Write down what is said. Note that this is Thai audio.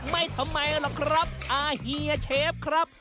ทำไมล่ะครับอาเฮียเชฟครับ